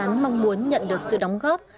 vì vậy dự án mong muốn nhận được sự đóng góp